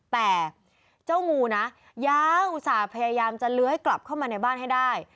แต่เจ้างูนะยาวอุตส่าห์พยายามจะเลื้อยกลับเข้ามาในบ้านให้ได้